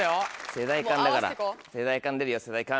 世代観だから世代観出るよ世代観。